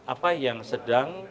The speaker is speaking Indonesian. apa yang sedang